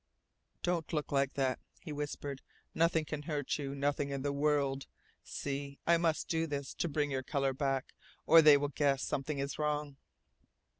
"Don't look like that," he whispered. "Nothing can hurt you. Nothing in the world. See I must do this to bring your colour back, or they will guess something is wrong!"